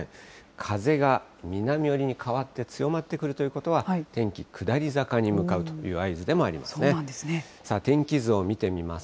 風が南寄りに変わって強まってくるということは、天気、下り坂に向かうという合図でもあります。